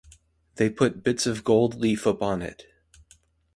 They put bits of gold leaf upon it.